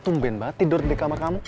tumben ba tidur di kamar kamu